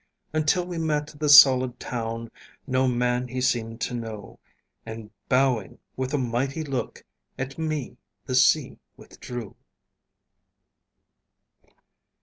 Until we met the solid town, No man he seemed to know; And bowing with a mighty look At me, the sea withdrew.